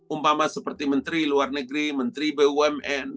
umpama seperti menteri luar negeri menteri bumn